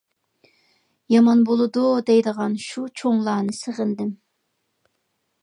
«يامان بولىدۇ» دەيدىغان شۇ چوڭلارنى سېغىندىم.